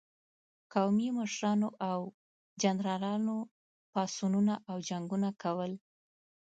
قومي مشرانو او جنرالانو پاڅونونه او جنګونه کول.